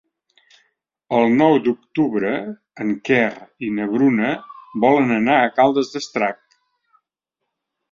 El nou d'octubre en Quer i na Bruna volen anar a Caldes d'Estrac.